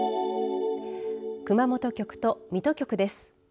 熊本局と水戸局です。